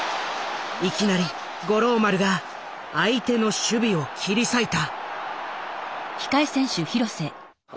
いきなり五郎丸が相手の守備を切り裂いた。